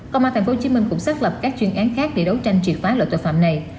công an tp hcm cũng xác lập các chuyên án khác để đấu tranh triệt phá loại tội phạm này